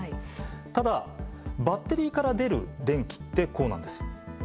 ただバッテリーから出る電気ってこうなんです。